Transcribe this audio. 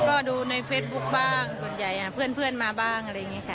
ก็ดูในเฟซบุ๊คบ้างส่วนใหญ่เพื่อนมาบ้างอะไรอย่างนี้ค่ะ